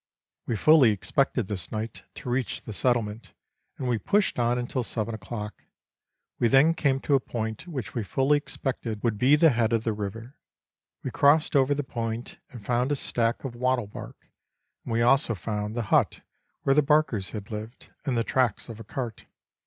We fully expected this night to reach the settlement, and we pushed on until seven o'clock ; we then came to a point which we fully expected would be the head of the river. We crossed over the point and found a stack of wattle bark, and we also found the hut where the barkers had lived, and the tracks of a cart.